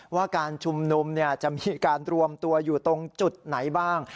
ว่าการชุมนุมจะมีการรวมตัวอยู่ตรงจุดไหนบ้าง